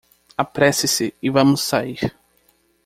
Apresse-se e vamos sair.